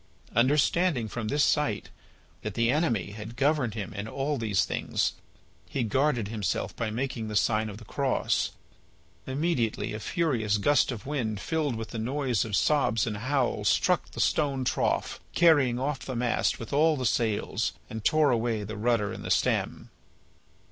Understanding from this sight that the Enemy had governed him in all these things, he guarded himself by making the sign of the Cross. Immediately a furious gust of wind filled with the noise of sobs and howls struck the stone trough, carried off the mast with all the sails, and tore away the rudder and the stem.